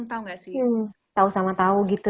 tahu sama tahu gitu ya